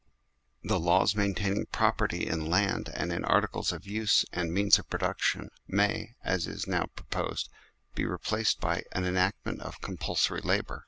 The laws main taining property in land and in articles of use and means of production, may, as is now pro posed, be replaced by the enactment of com pulsory labour.